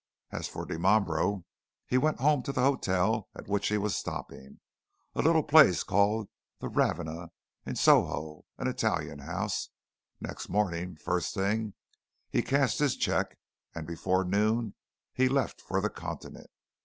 As for Dimambro, he went home to the hotel at which he was stopping a little place called the Ravenna, in Soho, an Italian house next morning, first thing, he cashed his cheque, and before noon he left for the Continent.